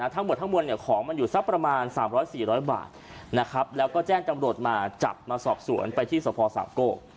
ทั้งหมดทั้งมวลของมันอยู่สักประมาณ๓๐๐๔๐๐บาทนะครับแล้วก็แจ้งจำรวจมาจับมาสอบสวนไปที่สภสามโก้